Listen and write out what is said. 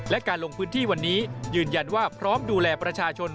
และการลงพื้นที่วันนี้ยืนยันว่าพร้อมดูแลประชาชน